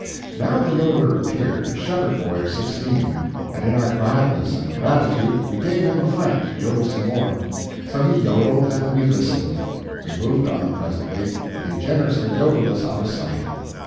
Now the jodeler appeared a shepherd boy of sixteen and in our gladness and gratitude we gave him a franc to jodel some more. So he jodeled and we listened. We moved on, presently, and he generously jodeled us out of sight.